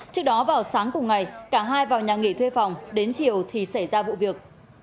trước đó vào sáng cùng ngày cả hai vào nhà nghỉ thuê phòng đến chiều thì xảy ra vụ việc